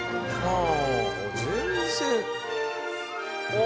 ああ。